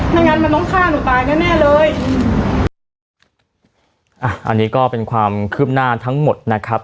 งั้นมันต้องฆ่าหนูตายแน่แน่เลยอ่ะอันนี้ก็เป็นความคืบหน้าทั้งหมดนะครับ